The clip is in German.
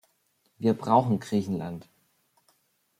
Wir brauchen Griechenland!